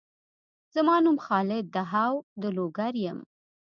زما نوم خالد دهاو د لوګر یم